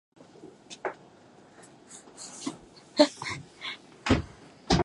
桃花石是古代中亚和西亚对汉族与中国的一种称呼。